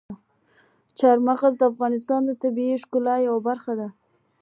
چار مغز د افغانستان د طبیعت د ښکلا یوه برخه ده.